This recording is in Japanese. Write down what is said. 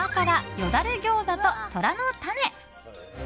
よだれ餃子と虎の種。